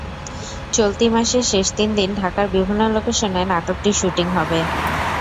চলতি মাসের শেষ তিন দিন ঢাকার বিভিন্ন লোকেশনে নাটকটির শুটিং হবে।